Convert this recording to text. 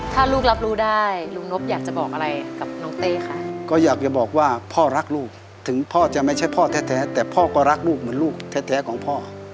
ถ้าลูกรับรู้ได้ลุงนบอยากจะบอกอะไรกับน้องเต้คะก็อยากจะบอกว่าพ่อรักลูกถึงพ่อจะไม่ใช่พ่อแท้แต่พ่อก็รักลูกเหมือนลูกแท้ของพ่อ